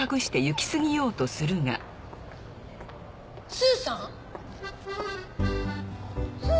スーさん？